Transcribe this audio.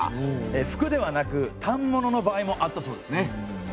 服ではなく反物の場合もあったそうですね。